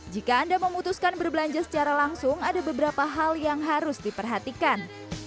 jika anda memutuskan berbelanja secara langsung ada beberapa hal yang harus diperhatikan